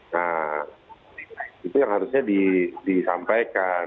nah itu yang harusnya disampaikan